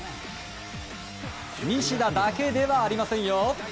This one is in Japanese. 西田だけではありませんよ。